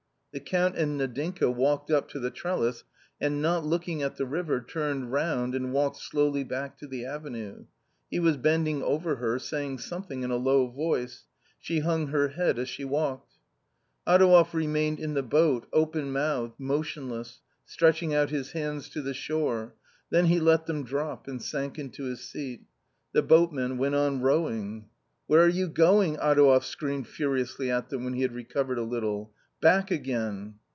The Count and Nadinka walked up to the trellis, and not looking at the river, turned round and walked slowly back to the avenue. He was bending over her, saying something in a low voice. She hung her head as she walked. Adouev remained in the boat, open mouthed, motion less, stretching out his hands to the shore, then he let them drop and sank into his seat. The boatmen went on rowing. " Where are you going? " Adouev screamed furiously at them, when he had recovered a little. " Back again."